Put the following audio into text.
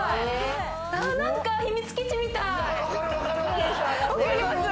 何か秘密基地みたい！